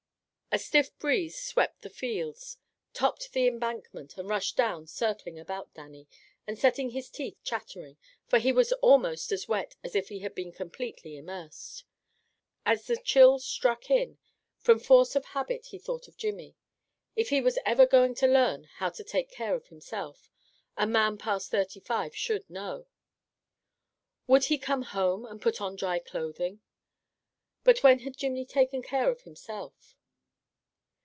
A stiff breeze swept the fields, topped the embankment, and rushed down circling about Dannie, and setting his teeth chattering, for he was almost as wet as if he had been completely immersed. As the chill struck in, from force of habit he thought of Jimmy. If he was ever going to learn how to take care of himself, a man past thirty five should know. Would he come home and put on dry clothing? But when had Jimmy taken care of himself?